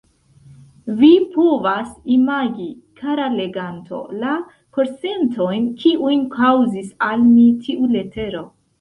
Vi povas imagi, kara leganto, la korsentojn, kiujn kaŭzis al mi tiu letero.